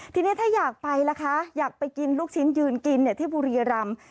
ทีนี้ถ้าอยากไปล่ะคะอยากไปกินลูกชิ้นยืนกินที่บุรีรำ